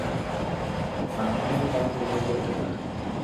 מיין קינד וויינט אזוי ביטערליך